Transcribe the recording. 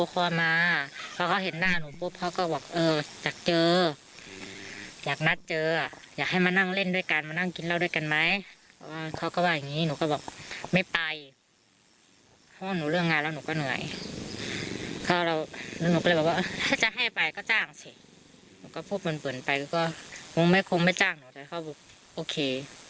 พอหนูก็พูดเหมือนไปก็คงไม่คงไม่จ้างหนูแต่เขาบอกโอเค